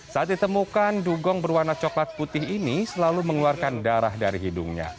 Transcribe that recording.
saat ditemukan dugong berwarna coklat putih ini selalu mengeluarkan darah dari hidungnya